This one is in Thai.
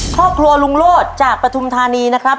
ครอบครัวลุงโลศจากปฐุมธานีนะครับ